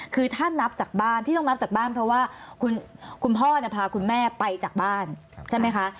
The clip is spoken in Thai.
คือถ้านับจากบ้านที่ต้องนับจากบ้านเพราะว่าคุณพ่อพาคุณแม่ไปจากบ้านใช่ไหมคะ